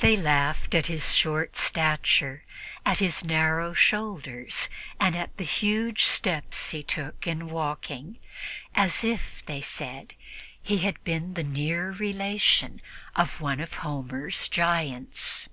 They laughed at his short stature, at his narrow shoulders and at the huge steps he took in walking, as if, they said, he had been the near relation of one of Homer's giants.